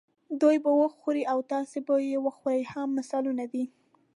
دوی به وخوري او تاسې به وخورئ هم مثالونه دي.